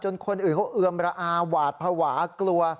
คนอื่นเขาเอือมระอาหวาดภาวะกลัว